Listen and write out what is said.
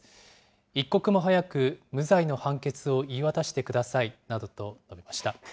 一刻も早く無罪の判決を言い渡してくださいなどと述べました。